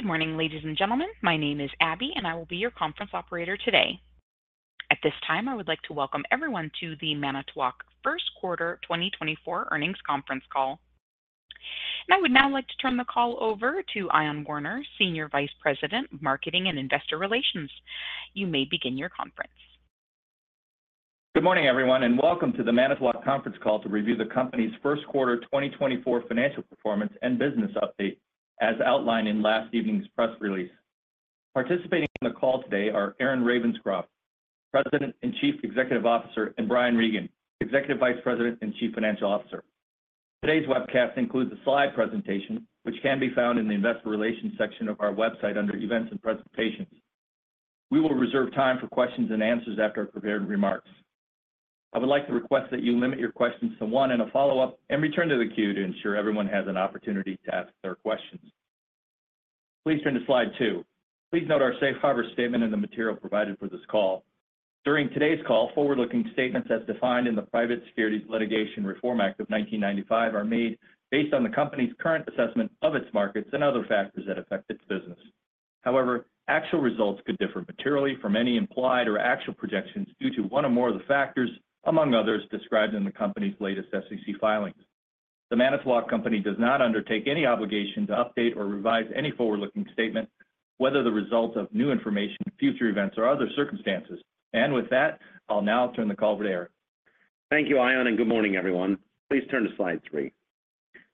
Good morning, ladies and gentlemen. My name is Abby, and I will be your conference operator today. At this time, I would like to welcome everyone to the Manitowoc First Quarter 2024 Earnings Conference Call. I would now like to turn the call over to Ion Warner, Senior Vice President of Marketing and Investor Relations. You may begin your conference. Good morning, everyone, and welcome to the Manitowoc Conference Call to review the company's First Quarter 2024 financial performance and business update, as outlined in last evening's press release. Participating in the call today are Aaron Ravenscroft, President and Chief Executive Officer, and Brian Regan, Executive Vice President and Chief Financial Officer. Today's webcast includes a slide presentation, which can be found in the Investor Relations section of our website under Events and Presentations. We will reserve time for questions and answers after our prepared remarks. I would like to request that you limit your questions to one and a follow-up, and return to the queue to ensure everyone has an opportunity to ask their questions. Please turn to slide two. Please note our safe harbor statement in the material provided for this call. During today's call, forward-looking statements, as defined in the Private Securities Litigation Reform Act of 1995, are made based on the company's current assessment of its markets and other factors that affect its business. However, actual results could differ materially from any implied or actual projections due to one or more of the factors, among others, described in the company's latest SEC filings. The Manitowoc Company does not undertake any obligation to update or revise any forward-looking statement, whether the results of new information, future events, or other circumstances. With that, I'll now turn the call over to Aaron. Thank you, Ion, and good morning, everyone. Please turn to slide three.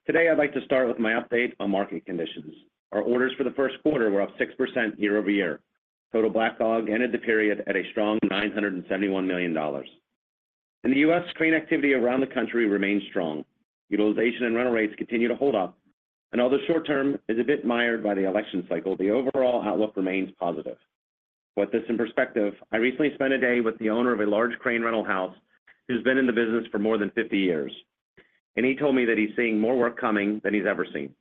Today, I'd like to start with my update on market conditions. Our orders for the first quarter were up 6% year-over-year, total backlog ended the period at a strong $971 million. In the U.S., crane activity around the country remains strong. Utilization and rental rates continue to hold up, and although short-term is a bit mired by the election cycle, the overall outlook remains positive. With this in perspective, I recently spent a day with the owner of a large crane rental house who's been in the business for more than 50 years, and he told me that he's seeing more work coming than he's ever seen.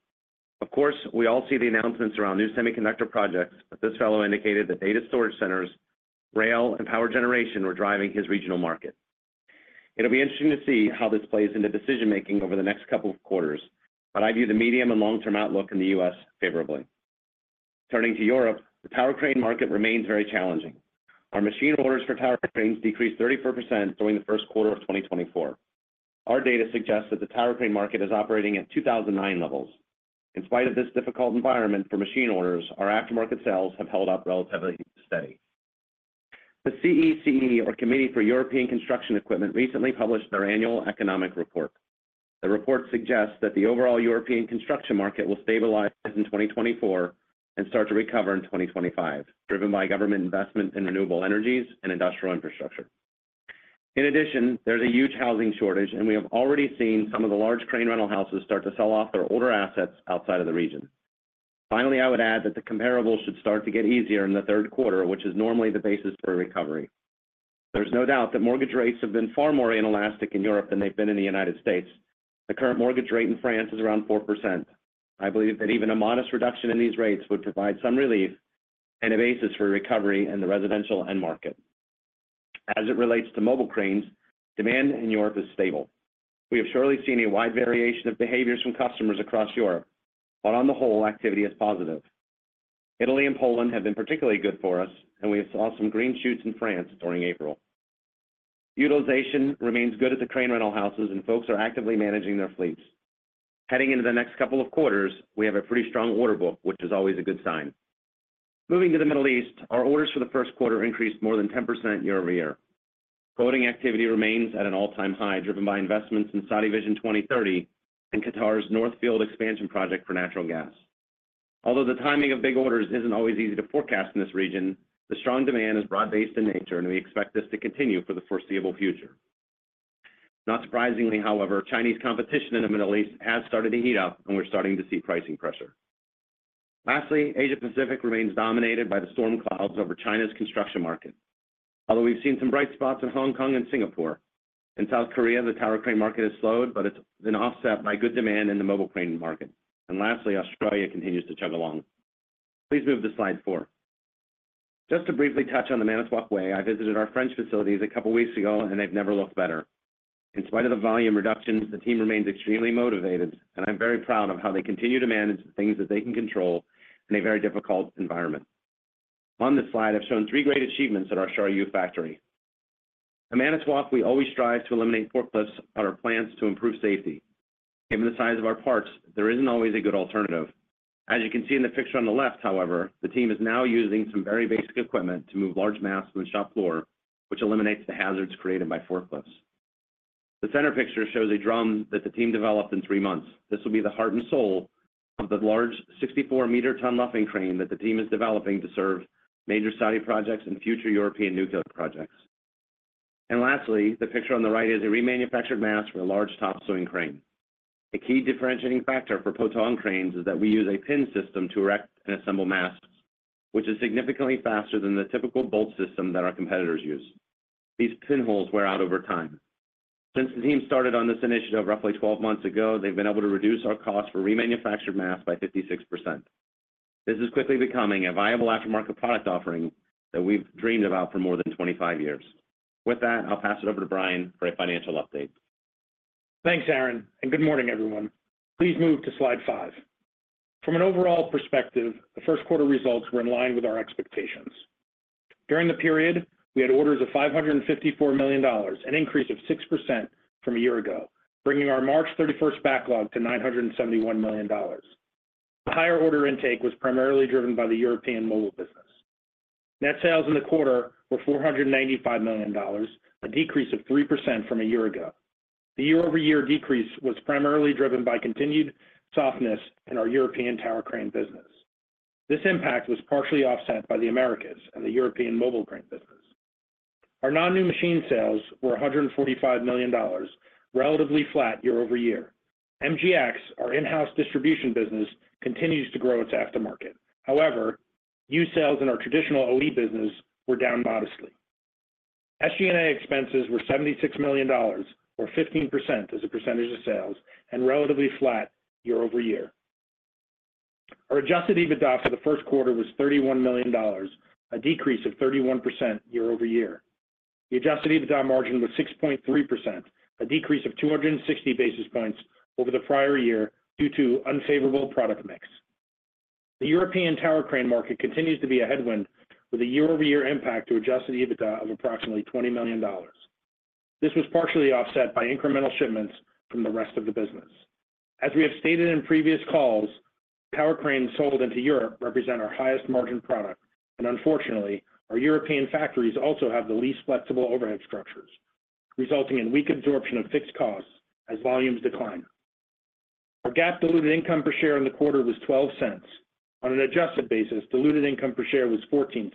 Of course, we all see the announcements around new semiconductor projects, but this fellow indicated that data storage centers, rail, and power generation were driving his regional market. It'll be interesting to see how this plays into decision-making over the next couple of quarters, but I view the medium and long-term outlook in the U.S. favorably. Turning to Europe, the tower crane market remains very challenging. Our machine orders for tower cranes decreased 34% during the first quarter of 2024. Our data suggests that the tower crane market is operating at 2009 levels. In spite of this difficult environment for machine orders, our aftermarket sales have held up relatively steady. The CECE, or Committee for European Construction Equipment, recently published their annual economic report. The report suggests that the overall European construction market will stabilize in 2024 and start to recover in 2025, driven by government investment in renewable energies and industrial infrastructure. In addition, there's a huge housing shortage, and we have already seen some of the large crane rental houses start to sell off their older assets outside of the region. Finally, I would add that the comparables should start to get easier in the third quarter, which is normally the basis for a recovery. There's no doubt that mortgage rates have been far more inelastic in Europe than they've been in the United States. The current mortgage rate in France is around 4%. I believe that even a modest reduction in these rates would provide some relief and a basis for recovery in the residential end market. As it relates to mobile cranes, demand in Europe is stable. We have surely seen a wide variation of behaviors from customers across Europe, but on the whole, activity is positive. Italy and Poland have been particularly good for us, and we saw some green shoots in France during April. Utilization remains good at the crane rental houses, and folks are actively managing their fleets. Heading into the next couple of quarters, we have a pretty strong order book, which is always a good sign. Moving to the Middle East, our orders for the first quarter increased more than 10% year-over-year. Quoting activity remains at an all-time high, driven by investments in Saudi Vision 2030 and Qatar's North Field expansion project for natural gas. Although the timing of big orders isn't always easy to forecast in this region, the strong demand is broad-based in nature, and we expect this to continue for the foreseeable future. Not surprisingly, however, Chinese competition in the Middle East has started to heat up, and we're starting to see pricing pressure. Lastly, Asia-Pacific remains dominated by the storm clouds over China's construction market. Although we've seen some bright spots in Hong Kong and Singapore, in South Korea, the tower crane market has slowed, but it's been offset by good demand in the mobile crane market. And lastly, Australia continues to chug along. Please move to slide four. Just to briefly touch on the Manitowoc Way, I visited our French facilities a couple of weeks ago, and they've never looked better. In spite of the volume reductions, the team remains extremely motivated, and I'm very proud of how they continue to manage the things that they can control in a very difficult environment. On this slide, I've shown three great achievements at our Charlieu factory. At Manitowoc, we always strive to eliminate forklifts at our plants to improve safety. Given the size of our parts, there isn't always a good alternative. As you can see in the picture on the left, however, the team is now using some very basic equipment to move large masses on the shop floor, which eliminates the hazards created by forklifts. The center picture shows a drum that the team developed in three months. This will be the heart and soul of the large 64-meter-ton luffing crane that the team is developing to serve major Saudi projects and future European nuclear projects. Lastly, the picture on the right is a remanufactured mast for a large top-slewing crane. A key differentiating factor for Potain cranes is that we use a pin system to erect and assemble masts, which is significantly faster than the typical bolt system that our competitors use. These pin holes wear out over time. Since the team started on this initiative roughly 12 months ago, they've been able to reduce our cost for remanufactured masts by 56%. This is quickly becoming a viable aftermarket product offering that we've dreamed about for more than 25 years. With that, I'll pass it over to Brian for a financial update. Thanks, Aaron, and good morning, everyone. Please move to slide five. From an overall perspective, the first quarter results were in line with our expectations. During the period, we had orders of $554 million, an increase of 6% from a year ago, bringing our March 31st backlog to $971 million. The higher order intake was primarily driven by the European mobile business. Net sales in the quarter were $495 million, a decrease of 3% from a year ago. The year-over-year decrease was primarily driven by continued softness in our European tower crane business. This impact was partially offset by the Americas and the European mobile crane business. Our non-new machine sales were $145 million, relatively flat year over year. MGX, our in-house distribution business, continues to grow its aftermarket. However, U.S. sales in our traditional OE business were down modestly. SG&A expenses were $76 million, or 15% as a percentage of sales, and relatively flat year-over-year. Our adjusted EBITDA for the first quarter was $31 million, a decrease of 31% year-over-year. The adjusted EBITDA margin was 6.3%, a decrease of 260 basis points over the prior year due to unfavorable product mix. The European tower crane market continues to be a headwind, with a year-over-year impact to adjusted EBITDA of approximately $20 million. This was partially offset by incremental shipments from the rest of the business. As we have stated in previous calls, tower cranes sold into Europe represent our highest margin product, and unfortunately, our European factories also have the least flexible overhead structures, resulting in weak absorption of fixed costs as volumes decline. Our GAAP diluted income per share in the quarter was $0.12. On an adjusted basis, diluted income per share was $0.14,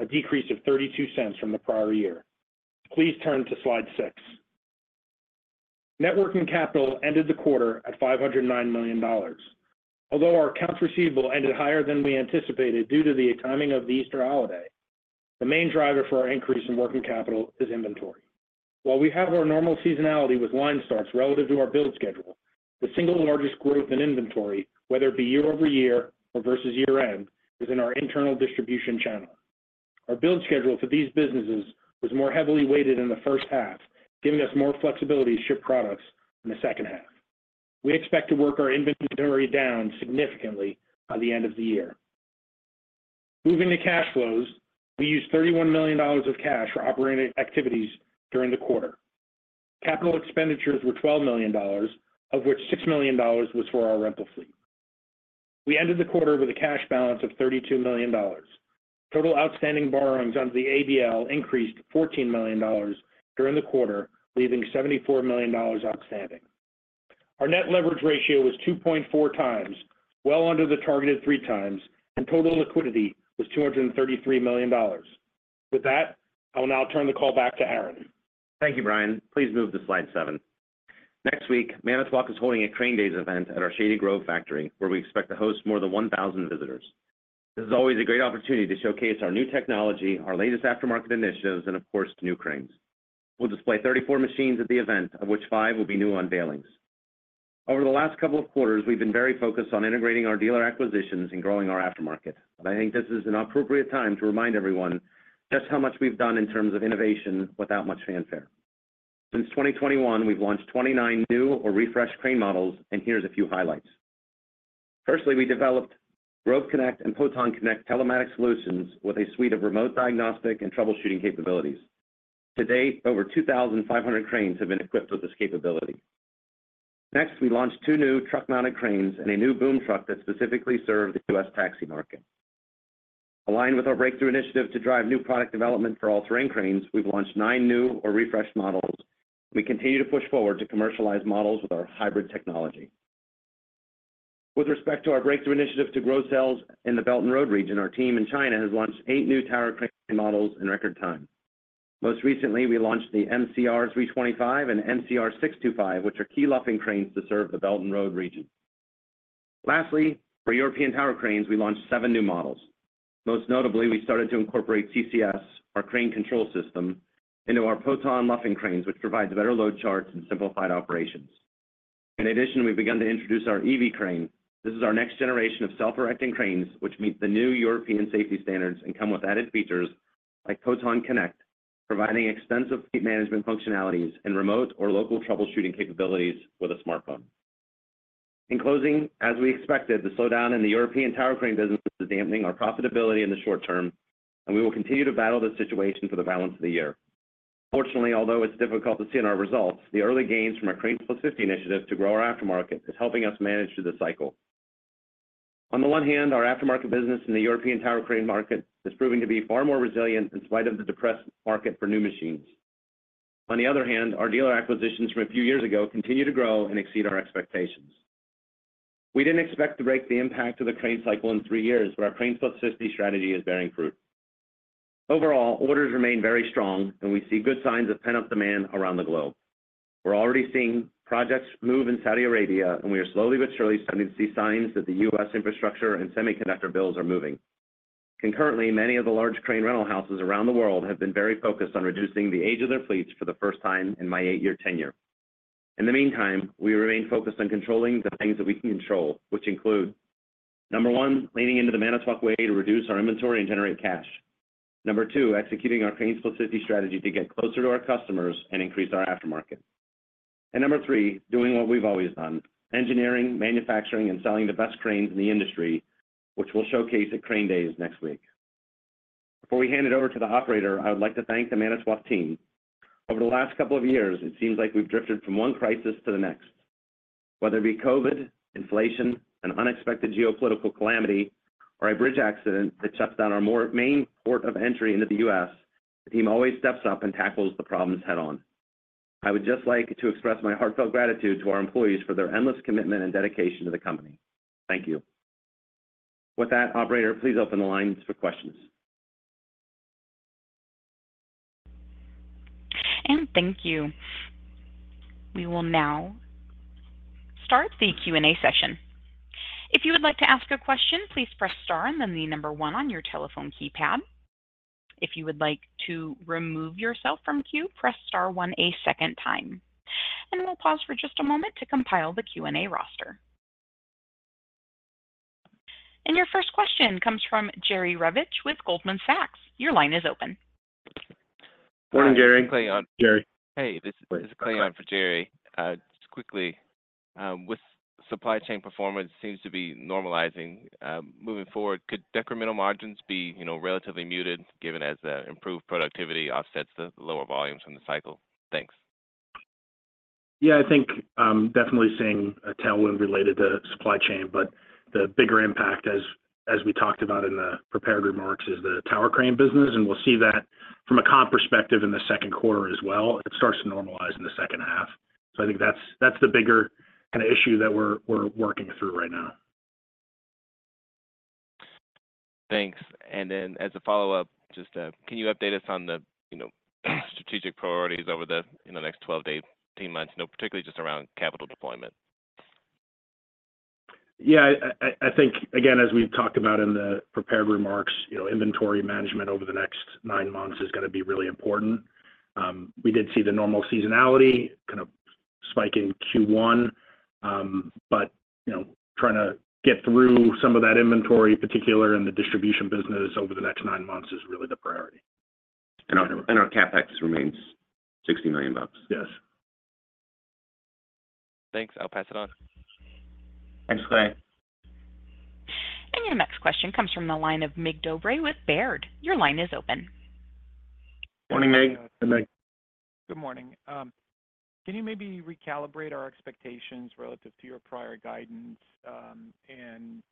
a decrease of $0.32 from the prior year. Please turn to slide six. Net working capital ended the quarter at $509 million. Although our accounts receivable ended higher than we anticipated due to the timing of the Easter holiday, the main driver for our increase in working capital is inventory. While we have our normal seasonality with line starts relative to our build schedule, the single largest growth in inventory, whether it be year-over-year or versus year-end, is in our internal distribution channel. Our build schedule for these businesses was more heavily weighted in the first half, giving us more flexibility to ship products in the second half. We expect to work our inventory down significantly by the end of the year. Moving to cash flows, we used $31 million of cash for operating activities during the quarter. Capital expenditures were $12 million, of which $6 million was for our rental fleet. We ended the quarter with a cash balance of $32 million. Total outstanding borrowings under the ABL increased $14 million during the quarter, leaving $74 million outstanding. Our net leverage ratio was 2.4x, well under the targeted 3x, and total liquidity was $233 million. With that, I will now turn the call back to Aaron. Thank you, Brian. Please move to slide seven. Next week, Manitowoc is holding a Crane Days event at our Shady Grove factory, where we expect to host more than 1,000 visitors. This is always a great opportunity to showcase our new technology, our latest aftermarket initiatives, and of course, new cranes. We'll display 34 machines at the event, of which five will be new unveilings. Over the last couple of quarters, we've been very focused on integrating our dealer acquisitions and growing our aftermarket, and I think this is an appropriate time to remind everyone just how much we've done in terms of innovation without much fanfare. Since 2021, we've launched 29 new or refreshed crane models, and here's a few highlights. Firstly, we developed Grove Connect and Potain CONNECT telematics solutions with a suite of remote diagnostic and troubleshooting capabilities. To date, over 2,500 cranes have been equipped with this capability. Next, we launched two new truck-mounted cranes and a new boom truck that specifically serve the U.S. taxi market. Aligned with our breakthrough initiative to drive new product development for all-terrain cranes, we've launched nine new or refreshed models, and we continue to push forward to commercialize models with our hybrid technology. With respect to our breakthrough initiative to grow sales in the Belt and Road region, our team in China has launched eight new tower crane models in record time. Most recently, we launched the MCR 325 and MCR 625, which are key luffing cranes to serve the Belt and Road region. Lastly, for European tower cranes, we launched seven new models. Most notably, we started to incorporate CCS, our crane control system, into our Potain luffing cranes, which provides better load charts and simplified operations. In addition, we've begun to introduce our Evy crane. This is our next generation of self-erecting cranes, which meet the new European safety standards and come with added features like Potain CONNECT, providing extensive fleet management functionalities and remote or local troubleshooting capabilities with a smartphone. In closing, as we expected, the slowdown in the European tower crane business is dampening our profitability in the short term, and we will continue to battle this situation for the balance of the year. Fortunately, although it's difficult to see in our results, the early gains from our CRANE+50 initiative to grow our aftermarket is helping us manage through the cycle. On the one hand, our aftermarket business in the European tower crane market is proving to be far more resilient in spite of the depressed market for new machines. On the other hand, our dealer acquisitions from a few years ago continue to grow and exceed our expectations. We didn't expect to break the impact of the crane cycle in three years, but our CRANE+50 strategy is bearing fruit. Overall, orders remain very strong, and we see good signs of pent-up demand around the globe. We're already seeing projects move in Saudi Arabia, and we are slowly but surely starting to see signs that the U.S. infrastructure and semiconductor bills are moving. Concurrently, many of the large crane rental houses around the world have been very focused on reducing the age of their fleets for the first time in my eight-year tenure. In the meantime, we remain focused on controlling the things that we can control, which include: number one, leaning into the Manitowoc Way to reduce our inventory and generate cash; number two, executing our CRANE+50 strategy to get closer to our customers and increase our aftermarket; and number three, doing what we've always done: engineering, manufacturing, and selling the best cranes in the industry, which we'll showcase at Crane Days next week. Before we hand it over to the operator, I would like to thank the Manitowoc team. Over the last couple of years, it seems like we've drifted from one crisis to the next. Whether it be COVID, inflation, an unexpected geopolitical calamity, or a bridge accident that shuts down our main port of entry into the U.S., the team always steps up and tackles the problems head-on. I would just like to express my heartfelt gratitude to our employees for their endless commitment and dedication to the company. Thank you. With that, operator, please open the lines for questions. Thank you. We will now start the Q&A session. If you would like to ask a question, please press star and then the number one on your telephone keypad. If you would like to remove yourself from queue, press star one a second time. We'll pause for just a moment to compile the Q&A roster. Your first question comes from Jerry Revich with Goldman Sachs. Your line is open. Morning, Jerry. Hey, Clay on. Jerry. Hey, this is Clay on for Jerry. Just quickly, with supply chain performance seems to be normalizing. Moving forward, could decremental margins be relatively muted, given as improved productivity offsets the lower volumes from the cycle? Thanks. Yeah, I think definitely seeing a tailwind related to supply chain, but the bigger impact, as we talked about in the prepared remarks, is the tower crane business, and we'll see that from a comp perspective in the second quarter as well. It starts to normalize in the second half. So I think that's the bigger kind of issue that we're working through right now. Thanks. Then as a follow-up, just can you update us on the strategic priorities over the next 12 days, 18 months, particularly just around capital deployment? Yeah, I think, again, as we've talked about in the prepared remarks, inventory management over the next nine months is going to be really important. We did see the normal seasonality kind of spike in Q1, but trying to get through some of that inventory, particularly in the distribution business, over the next nine months is really the priority. Our CapEx remains $60 million. Yes. Thanks. I'll pass it on. Thanks, Clay. Your next question comes from the line of Mig Dobre with Baird. Your line is open. Morning, Mig. Hi, Mig. Good morning. Can you maybe recalibrate our expectations relative to your prior guidance and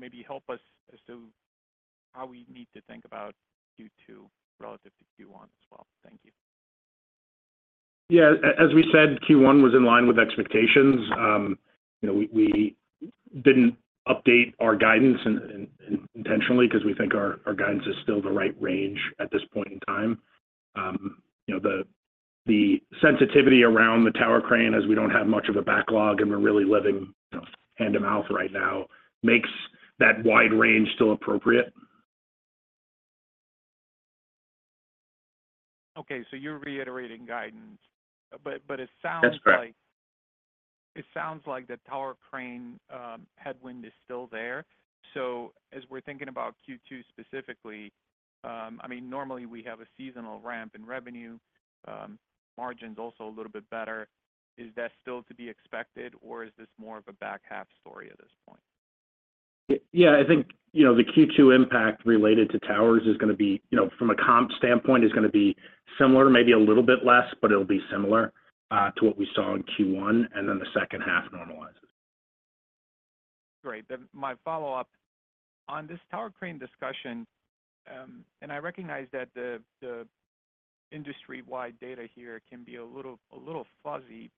maybe help us as to how we need to think about Q2 relative to Q1 as well? Thank you. Yeah, as we said, Q1 was in line with expectations. We didn't update our guidance intentionally because we think our guidance is still the right range at this point in time. The sensitivity around the tower crane, as we don't have much of a backlog and we're really living hand-to-mouth right now, makes that wide range still appropriate. Okay, so you're reiterating guidance, but it sounds like. That's correct. It sounds like the tower crane headwind is still there. So as we're thinking about Q2 specifically, I mean, normally we have a seasonal ramp in revenue, margins also a little bit better. Is that still to be expected, or is this more of a back half story at this point? Yeah, I think the Q2 impact related to towers is going to be from a comp standpoint. It's going to be similar, maybe a little bit less, but it'll be similar to what we saw in Q1, and then the second half normalizes. Great. Then my follow-up on this tower crane discussion, and I recognize that the industry-wide data here can be a little fuzzy,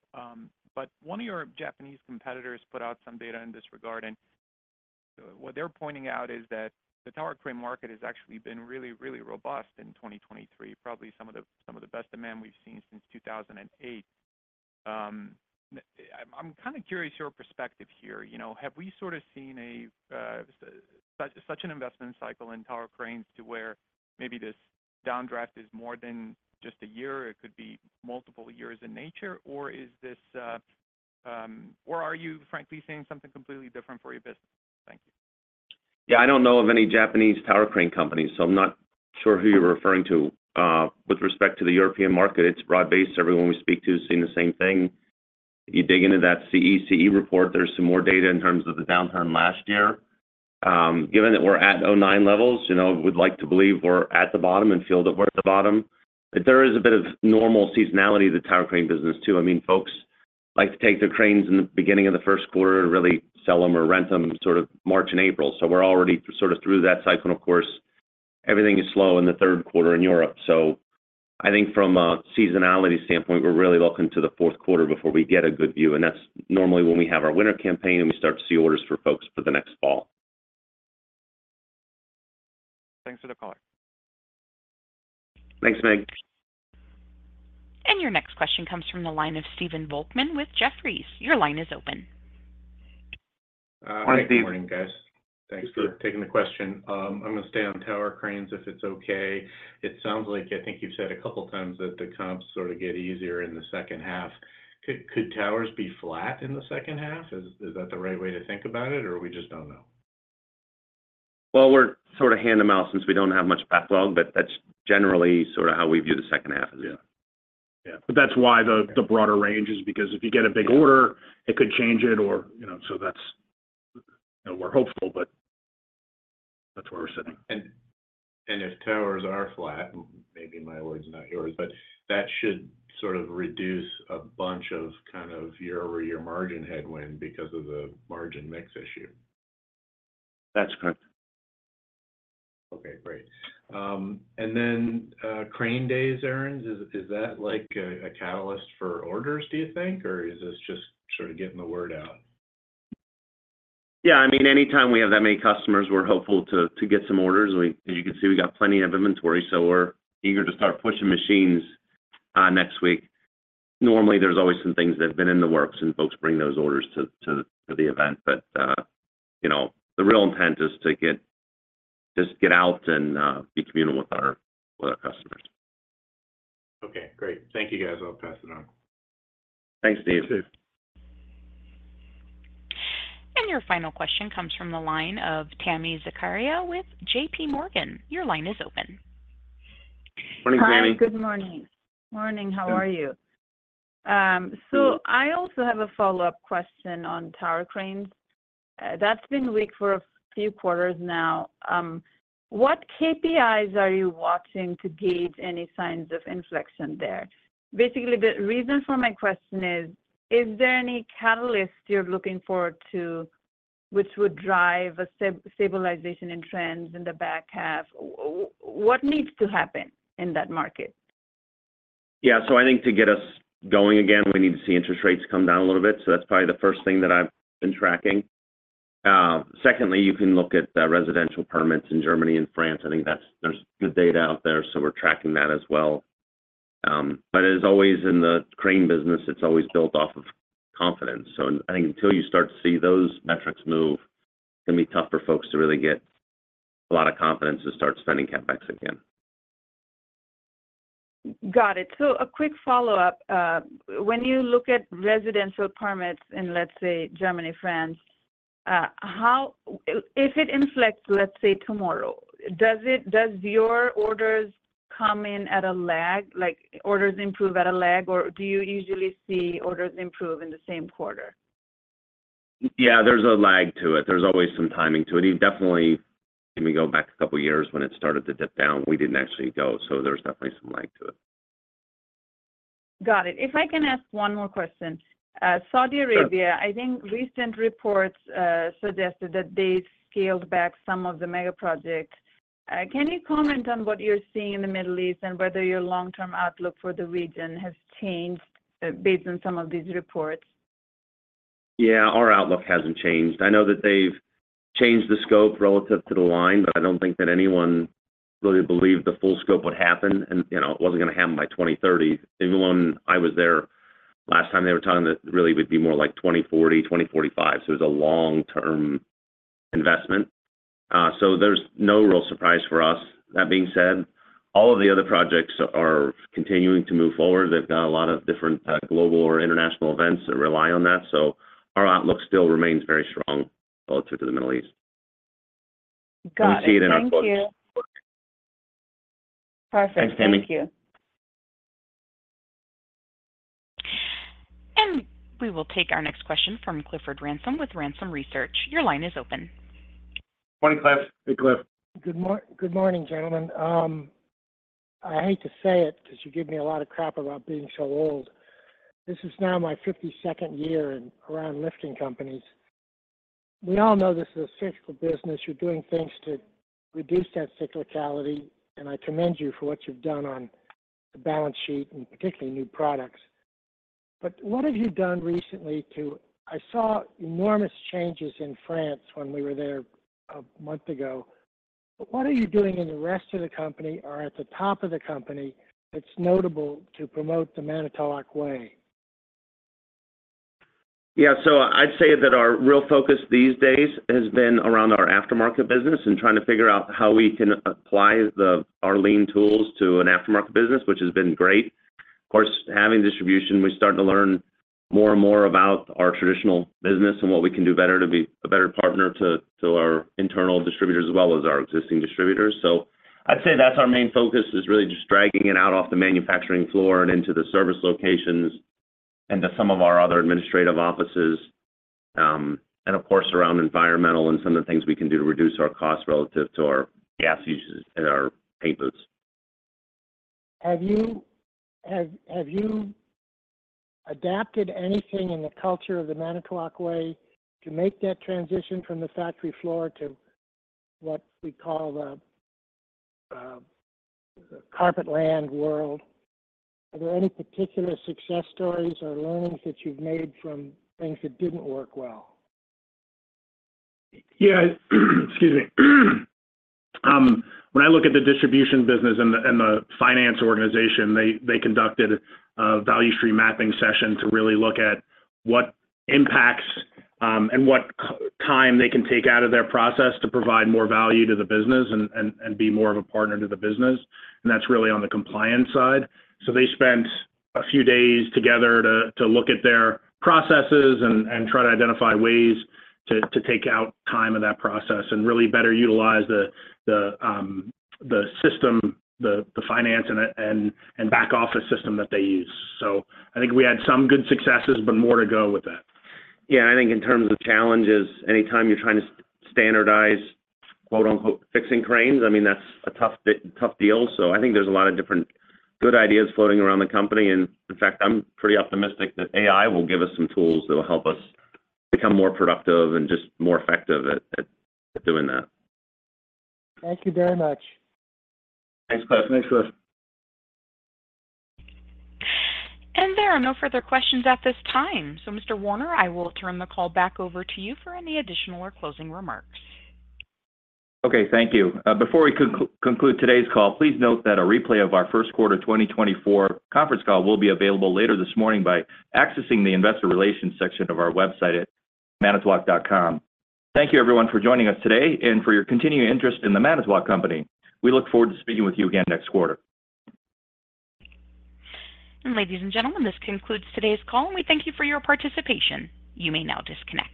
but one of your Japanese competitors put out some data in this regard, and what they're pointing out is that the tower crane market has actually been really, really robust in 2023, probably some of the best demand we've seen since 2008. I'm kind of curious your perspective here. Have we sort of seen such an investment cycle in tower cranes to where maybe this downdraft is more than just a year? It could be multiple years in nature, or is this or are you, frankly, seeing something completely different for your business? Thank you. Yeah, I don't know of any Japanese tower crane companies, so I'm not sure who you're referring to. With respect to the European market, it's broad-based. Everyone we speak to has seen the same thing. If you dig into that CECE report, there's some more data in terms of the downturn last year. Given that we're at 2009 levels, we'd like to believe we're at the bottom and feel that we're at the bottom. There is a bit of normal seasonality to the tower crane business too. I mean, folks like to take their cranes in the beginning of the first quarter and really sell them or rent them sort of March and April. So we're already sort of through that cycle. And of course, everything is slow in the third quarter in Europe. I think from a seasonality standpoint, we're really looking to the fourth quarter before we get a good view. That's normally when we have our winter campaign and we start to see orders for folks for the next fall. Thanks for the call. Thanks, Mig. Your next question comes from the line of Stephen Volkmann with Jefferies. Your line is open. Hi, Steve. Morning, guys. Thanks for taking the question. I'm going to stay on tower cranes if it's okay. It sounds like I think you've said a couple of times that the comps sort of get easier in the second half. Could towers be flat in the second half? Is that the right way to think about it, or we just don't know? Well, we're sort of hand-to-mouth since we don't have much backlog, but that's generally sort of how we view the second half as well. Yeah. But that's why the broader range is because if you get a big order, it could change it, or so that's we're hopeful, but that's where we're sitting. If towers are flat, maybe my word's not yours, but that should sort of reduce a bunch of kind of year-over-year margin headwind because of the margin mix issue. That's correct. Okay, great. And then Crane Days, Aaron, is that a catalyst for orders, do you think, or is this just sort of getting the word out? Yeah, I mean, anytime we have that many customers, we're hopeful to get some orders. As you can see, we got plenty of inventory, so we're eager to start pushing machines next week. Normally, there's always some things that have been in the works, and folks bring those orders to the event. But the real intent is to just get out and be communal with our customers. Okay, great. Thank you, guys. I'll pass it on. Thanks, Steve. You too. Your final question comes from the line of Tami Zakaria with JPMorgan. Your line is open. Morning, Tami. Hi, good morning. Morning, how are you? I also have a follow-up question on tower cranes. That's been weak for a few quarters now. What KPIs are you watching to gauge any signs of inflection there? Basically, the reason for my question is, is there any catalyst you're looking for which would drive a stabilization in trends in the back half? What needs to happen in that market? Yeah, so I think to get us going again, we need to see interest rates come down a little bit. So that's probably the first thing that I've been tracking. Secondly, you can look at residential permits in Germany and France. I think there's good data out there, so we're tracking that as well. But as always in the crane business, it's always built off of confidence. So I think until you start to see those metrics move, it's going to be tough for folks to really get a lot of confidence to start spending CapEx again. Got it. So a quick follow-up. When you look at residential permits in, let's say, Germany, France, if it inflects, let's say, tomorrow, does your orders come in at a lag? Orders improve at a lag, or do you usually see orders improve in the same quarter? Yeah, there's a lag to it. There's always some timing to it. Definitely, let me go back a couple of years. When it started to dip down, we didn't actually go, so there's definitely some lag to it. Got it. If I can ask one more question. Saudi Arabia, I think recent reports suggested that they scaled back some of the megaprojects. Can you comment on what you're seeing in the Middle East and whether your long-term outlook for the region has changed based on some of these reports? Yeah, our outlook hasn't changed. I know that they've changed the scope relative to the line, but I don't think that anyone really believed the full scope would happen. And it wasn't going to happen by 2030. Even when I was there last time, they were talking that it really would be more like 2040, 2045. So it was a long-term investment. So there's no real surprise for us. That being said, all of the other projects are continuing to move forward. They've got a lot of different global or international events that rely on that. So our outlook still remains very strong relative to the Middle East. Got it. Thank you. We see it in our quotes. Perfect. Thanks, Tami. Thank you. We will take our next question from Clifford Ransom with Ransom Research. Your line is open. Morning, Cliff. Hey, Cliff. Good morning, gentlemen. I hate to say it because you give me a lot of crap about being so old. This is now my 52nd year around lifting companies. We all know this is a cyclical business. You're doing things to reduce that cyclicality, and I commend you for what you've done on the balance sheet and particularly new products. But what have you done recently, too? I saw enormous changes in France when we were there a month ago. But what are you doing in the rest of the company or at the top of the company that's notable to promote the Manitowoc Way? Yeah, so I'd say that our real focus these days has been around our aftermarket business and trying to figure out how we can apply our lean tools to an aftermarket business, which has been great. Of course, having distribution, we're starting to learn more and more about our traditional business and what we can do better to be a better partner to our internal distributors as well as our existing distributors. So I'd say that's our main focus is really just dragging it out off the manufacturing floor and into the service locations and to some of our other administrative offices. And of course, around environmental and some of the things we can do to reduce our costs relative to our gas usage and our paint booths. Have you adapted anything in the culture of the Manitowoc Way to make that transition from the factory floor to what we call the carpet land world? Are there any particular success stories or learnings that you've made from things that didn't work well? Yeah, excuse me. When I look at the distribution business and the finance organization, they conducted a value stream mapping session to really look at what impacts and what time they can take out of their process to provide more value to the business and be more of a partner to the business. And that's really on the compliance side. So they spent a few days together to look at their processes and try to identify ways to take out time of that process and really better utilize the system, the finance, and back-office system that they use. So I think we had some good successes, but more to go with that. Yeah, and I think in terms of challenges, anytime you're trying to standardize "fixing cranes," I mean, that's a tough deal. So I think there's a lot of different good ideas floating around the company. And in fact, I'm pretty optimistic that AI will give us some tools that will help us become more productive and just more effective at doing that. Thank you very much. Thanks, Cliff. Thanks, Cliff. There are no further questions at this time. Mr. Warner, I will turn the call back over to you for any additional or closing remarks. Okay, thank you. Before we conclude today's call, please note that a replay of our first quarter 2024 conference call will be available later this morning by accessing the Investor Relations section of our website at manitowoc.com. Thank you, everyone, for joining us today and for your continued interest in The Manitowoc Company. We look forward to speaking with you again next quarter. Ladies and gentlemen, this concludes today's call, and we thank you for your participation. You may now disconnect.